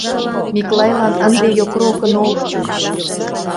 Миклайлан ынде йокрокын ок чуч.